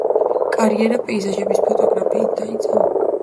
კარიერა პეიზაჟების ფოტოგრაფიით დაიწყო.